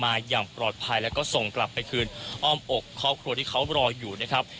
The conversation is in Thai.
อย่างปลอดภัยแล้วก็ส่งกลับไปคืนอ้อมอกครอบครัวที่เขารออยู่นะครับ